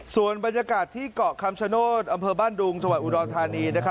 ส่วนบรรยากาศที่เกาะคำชโนธอำเภอบ้านดุงจังหวัดอุดรธานี